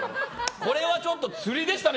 ちょっと釣りでしたね。